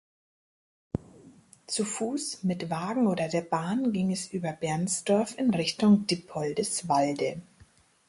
Zu Fuß, mit Wagen oder der Bahn ging es über Bernsdorf in Richtung Dippoldiswalde.